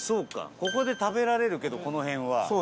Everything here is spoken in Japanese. ここで食べられるけどこの辺は。